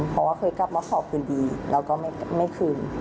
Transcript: เพราะว่าเคยกลับมาขอคืนดีแล้วก็ไม่คืน